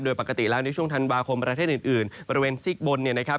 โดยปกติแล้วในช่วงธันวาคมประเทศอื่นบริเวณซีกบนเนี่ยนะครับ